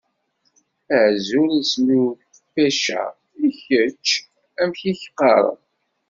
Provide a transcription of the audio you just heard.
Azul! Isem-iw Pecca. I kečč amek i ak-qqaṛen?